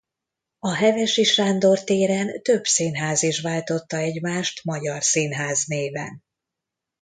A Hevesi Sándor téren több színház is váltotta egymást Magyar Színház néven.